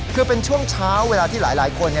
คือเป็นช่วงเช้าเวลาที่หลายคน